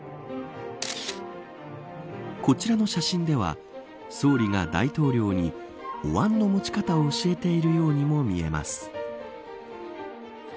こちらの写真では総理が大統領におわんの持ち方を教えているようにも見えます。